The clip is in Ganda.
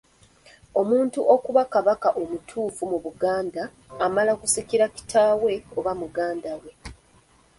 Omuntu okuba Kabaka omutuufu mu Buganda amala kusikira kitaawe oba muganda we.